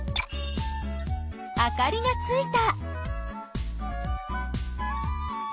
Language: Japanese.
あかりがついた！